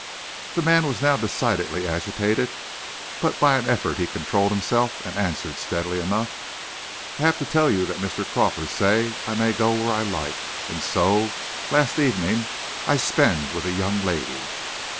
The man was now decidedly agitated, but by an effort he controlled himself and answered steadily enough: "I have tell you that Mr. Crawford say I may go wherever I like. And so, last evening I spend with a young lady."